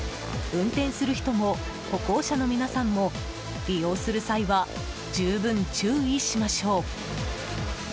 運転する人も歩行者の皆さんも利用する際は十分注意しましょう。